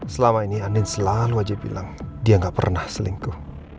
selama ini anin selalu aja bilang dia gak pernah selingkuh